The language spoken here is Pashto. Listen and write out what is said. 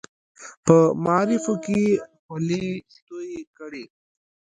په معارفو کې یې خولې تویې کړې.